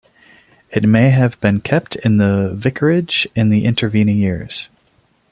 It may have been kept in the vicarage in the intervening years.